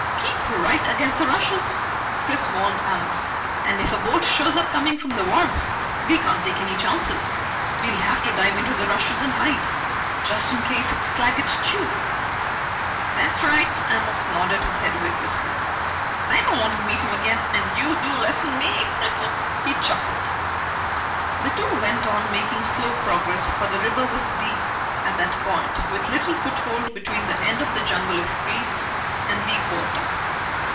"Keep right against the rushes," Chris warned Amos, "and if a boat shows up coming from the wharves, we can't take any chances. We'll have to dive into the rushes and hide, just in case it's Claggett Chew." "That's right," Amos nodded his head vigorously. "I don't want to meet him again, and you do less'n me!" he chuckled. The two went on, making slow progress, for the river was deep at that point, with little foothold between the end of the jungle of reeds and deep water.